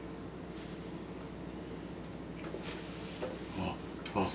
あっあっ。